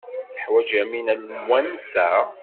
Teḥwaj Yamina lemwansa?